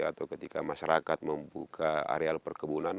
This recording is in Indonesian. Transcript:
atau ketika masyarakat membuka areal perkebunan